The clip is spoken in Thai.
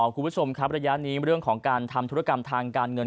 คุณผู้ชมครับระยะนี้เรื่องของการทำธุรกรรมทางการเงิน